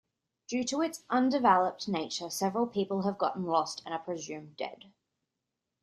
Due to its undeveloped nature, several people have gotten lost and are presumed dead.